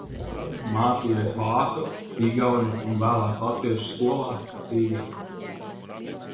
Mācījies vācu, igauņu un vēlāk latviešu skolā Rīgā.